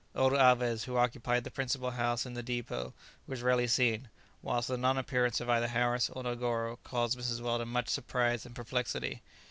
] Old Alvez, who occupied the principal house in thedépôt, was rarely seen; whilst the non appearance of either Harris or Negoro caused Mrs. Weldon much surprise and perplexity.